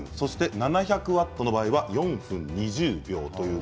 ７００ワットの場合は４分２０秒。